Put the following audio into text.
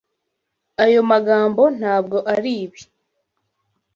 Ayo magambo ntabwo aribi.